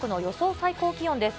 最高気温です。